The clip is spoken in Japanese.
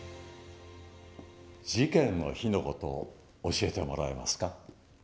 事件の日の事を教えてもらえますか？